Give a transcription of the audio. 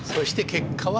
結果は？